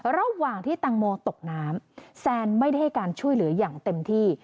ระหว่างที่ตังโมตกน้ำแซนไม่ได้ให้การช่วยเหลืออย่างเต็มที่